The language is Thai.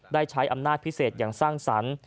ได้ใช้อำนาจพิเศษอย่างสร้างสรรค์